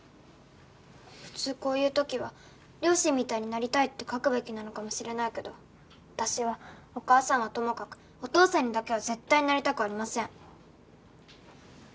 「普通こういう時は両親みたいになりたいって書くべきなのかもしれないけど私はお母さんはともかくお父さんにだけは絶対なりたくありません」